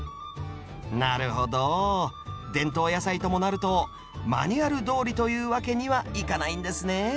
なるほど伝統野菜ともなるとマニュアルどおりというわけにはいかないんですね。